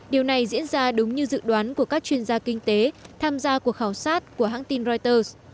điều này diễn ra đúng như dự đoán của các chuyên gia kinh tế tham gia cuộc khảo sát của hãng tin reuters